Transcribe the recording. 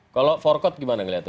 kalau forkot bagaimana melihatnya